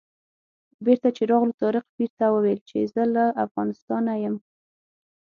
بېرته چې راغلو طارق پیر ته وویل چې زه له افغانستانه یم.